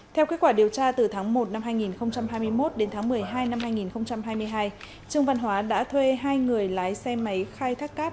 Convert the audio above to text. theo kết quả điều tra từ tháng một năm hai nghìn hai mươi một đến tháng một mươi hai năm hai nghìn hai mươi hai trương văn hóa đã thuê hai người lái xe máy khai thác cát